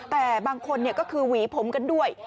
แต่บางคนก็คือหวีผมกันด้วย